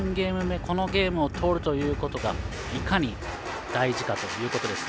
このゲームを取るということがいかに大事かということですね。